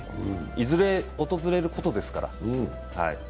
いずれ訪れることですから。